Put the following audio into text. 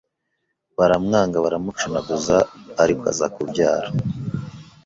baramwanga baramucunaguza ariko aza kubyara